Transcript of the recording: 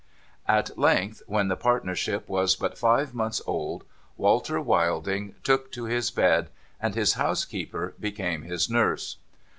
At length, when the partnership was but five months old, AValter Wilding took to his bed, and his housekeeper became his nurse.